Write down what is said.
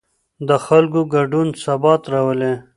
د خلکو ګډون ثبات راولي